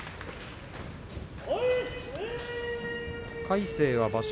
魁聖は場所